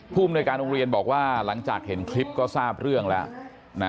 ภูมิในการโรงเรียนบอกว่าหลังจากเห็นคลิปก็ทราบเรื่องแล้ว